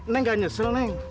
neng gak nyesel neng